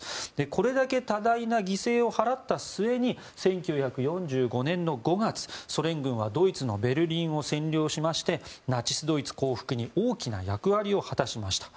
これだけ多大な犠牲を払った末に１９４５年の５月、ソ連軍はドイツのベルリンを占領しましてナチスドイツ降伏に大きな役割を果たしました。